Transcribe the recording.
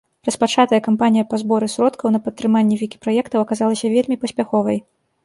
Распачатая кампанія па зборы сродкаў на падтрыманне вікі-праектаў аказалася вельмі паспяховай.